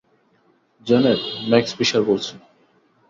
Janet, Max Fisher বলছি।